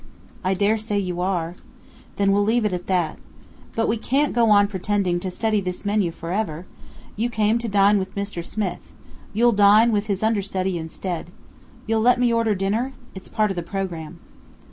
"I dare say you are." "Then we'll leave it at that. But we can't go on pretending to study this menu for ever! You came to dine with Mr. Smith. You'll dine with his understudy instead. You'll let me order dinner? It's part of the programme."